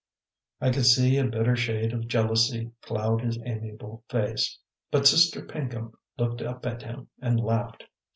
I could see a bitter shade of jealousy cloud his amiable face; but Sister Pinkham looked up at him and laughed.